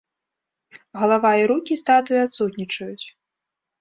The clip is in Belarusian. Галава і рукі статуі адсутнічаюць.